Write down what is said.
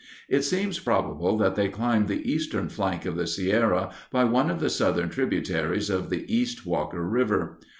It seems probable that they climbed the eastern flank of the Sierra by one of the southern tributaries of the East Walker River.